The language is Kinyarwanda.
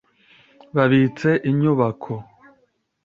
Babitse inyubako.